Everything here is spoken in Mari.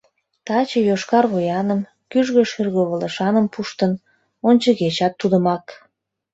Таче йошкар вуяным, кӱжгӧ шӱргывылышаным пуштын, ончыгечат тудымак.